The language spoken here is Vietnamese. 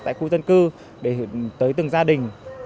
tại khu dân cư để tới từng gia đình